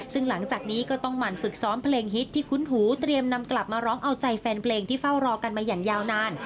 ซึ่งหลังจากนี้ก็ต้องหมั่นฝึกซ้อมเพลงฮิตที่คุ้นหูเตรียมนำกลับมาร้องเอาใจแฟนเพลงที่เฝ้ารอกันมาอย่างยาวนาน